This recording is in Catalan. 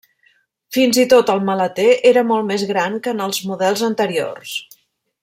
Fins i tot el maleter era molt més gran que en els models anteriors.